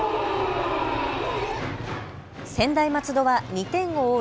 専大松戸は２点を追う